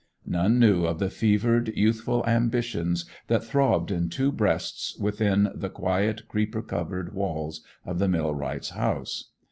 None knew of the fevered youthful ambitions that throbbed in two breasts within the quiet creeper covered walls of the millwright's house.